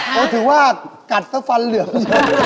ก็ถือว่ากัดซะฟันเหลืองเยอะ